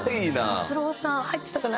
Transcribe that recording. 達郎さん入ってたかな？